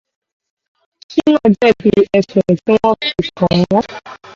Ṣínà jẹ̀bi ẹ̀sùn tí wọ́n fi kàn án.